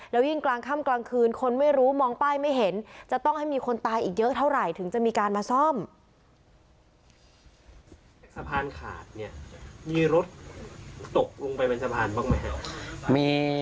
แล้วยิ่งกลางค่ำกลางคืนคนไม่รู้มองป้ายไม่เห็นจะต้องให้มีคนตายอีกเยอะเท่าไหร่ถึงจะมีการมาซ่อม